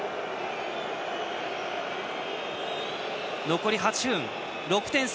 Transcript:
残り８分で６点差